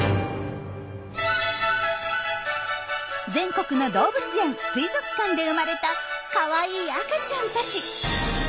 全国の動物園・水族館で生まれたかわいい赤ちゃんたち。